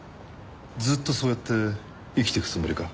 ずっとそうやって生きていくつもりか？